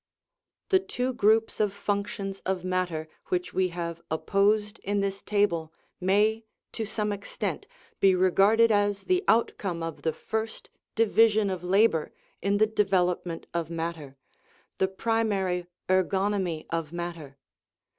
The two groups of functions of matter, which we have opposed in this table, may, to some extent, be regarded as the outcome of the first " division of labor" in the development of matter, the "primary ergonomy of matter."